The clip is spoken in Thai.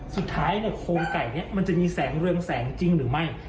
สุดท้ายเนี่ยโครงไก่นี้มันจะมีแสงเรืองแสงจริงหรือไม่